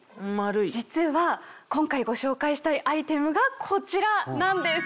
実は今回ご紹介したいアイテムがこちらなんです。